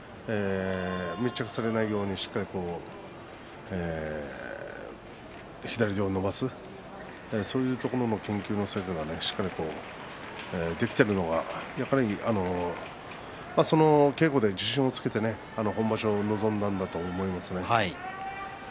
密着されないようにしっかりと左手を伸ばすそういうところの研究の成果がしっかりできているのが稽古で自信をつけて今場所に臨んだんだと思います。